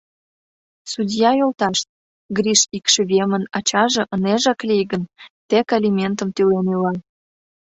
— Судья йолташ, Гриш икшывемын ачаже ынежак лий гын, тек алиментым тӱлен ила.